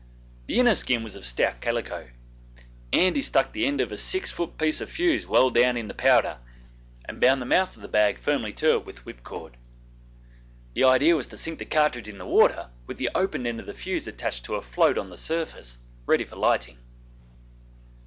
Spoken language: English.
The inner skin was of stout calico; Andy stuck the end of a six foot piece of fuse well down in the powder and bound the mouth of the bag firmly to it with whipcord. The idea was to sink the cartridge in the water with the open end of the fuse attached to a float on the surface, ready for lighting.